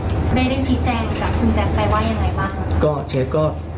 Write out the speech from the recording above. ได้ได้ชิดแจงค่ะคุณแจงแปลว่ายังไงบ้าง